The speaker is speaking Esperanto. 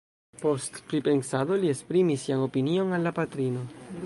Post pripensado li esprimis sian opinion al la patrino.